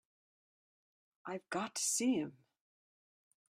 I've got to see him.